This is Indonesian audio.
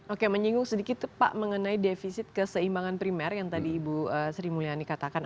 oke menyinggung sedikit pak mengenai defisit keseimbangan primer yang tadi ibu sri mulyani katakan